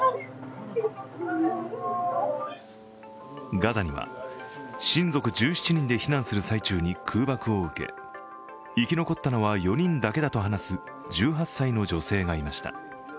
ガザには親族１７人で避難する最中に空爆を受け、生き残ったのは４人だけだと話す１８歳の女性がいました。